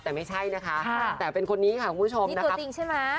แต่ไม่ใช่นะคะแต่เป็นคนนี้ค่ะคุณผู้ชมนะคะจริงใช่ไหม